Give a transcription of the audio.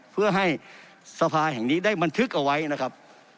เพื่อให้สภาแห่งนี้ได้บันทึกเอาไว้นะครับ